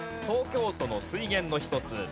東京都の水源の一つ。